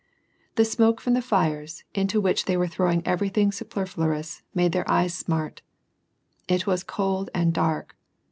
The smoke from the fires, into which they were throwing everything superfluous, made their eyes smart. It was cold and dark.